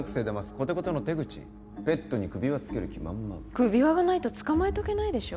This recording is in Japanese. コテコテの手口ペットに首輪つける気満々首輪がないとつかまえとけないでしょ